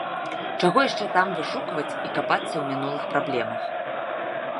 Чаго яшчэ там вышукваць і капацца ў мінулых праблемах.